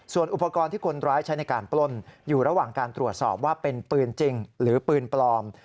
ส่วนอุปกรณ์ที่คนร้ายใช้ในการปล้นอยู่ระหว่างการตรวจสอบว่าเป็นปืนจริงหรือปืนปลอม